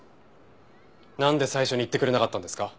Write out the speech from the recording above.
なんで最初に言ってくれなかったんですか？